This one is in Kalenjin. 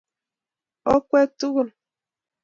okwek tugul